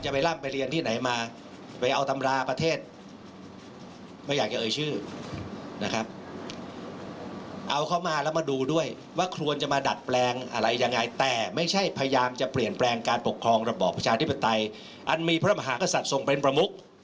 จอบประเด็นเรื่องนี้จากรายงานครับ